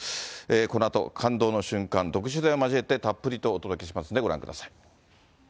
このあと感動の瞬間、独自取材を交えて、たっぷりとお届けしますんで、ご覧ください。